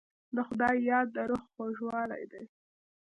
د خدای یاد د روح خوږوالی دی.